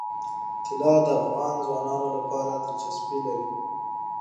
طلا د افغان ځوانانو لپاره دلچسپي لري.